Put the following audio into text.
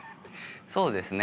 そうですね。